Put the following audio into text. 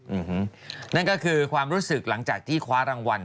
อืมนั่นก็คือความรู้สึกหลังจากที่คว้ารางวัล